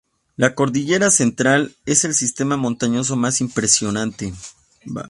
La Cordillera Central, es el sistema montañoso más impresionante.